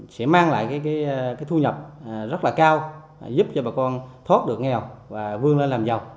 sẽ mang lại cái thu nhập rất là cao giúp cho bà con thoát được nghèo và vươn lên làm giàu